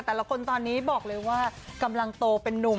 แต่ละคนตอนนี้บอกเลยว่ากำลังโตเป็นนุ่ม